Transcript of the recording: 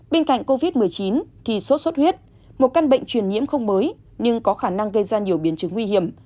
bên cạnh covid một mươi chín thì sốt xuất huyết một căn bệnh truyền nhiễm không mới nhưng có khả năng gây ra nhiều biến chứng nguy hiểm